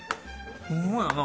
ホンマやな。